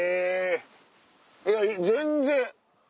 いや全然。